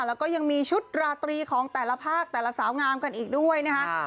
แล้วก็ยังมีชุดราตรีของแต่ละภาคแต่ละสาวงามกันอีกด้วยนะคะ